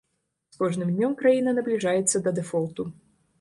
З кожным днём краіна набліжаецца да дэфолту.